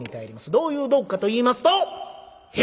どういう道具かといいますと蛇！